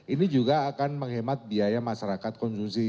ini juga akan menghemat biaya masyarakat konsumsi